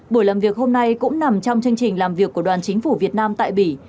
buổi làm việc hôm nay cũng nằm trong chương trình làm việc của đoàn chính phủ việt nam tại bỉ